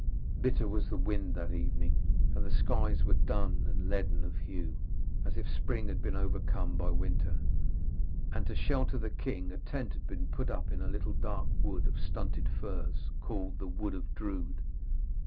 Bitter was the wind that evening, and the skies were dun and leaden of hue, as if spring had been overcome by winter; and to shelter the king a tent had been put up in a little dark wood of stunted firs, called the Wood of Drood.